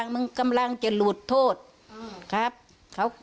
เขาก็เขาบอกว่า